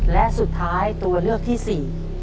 และสุดท้ายตัวเลือกที่สี่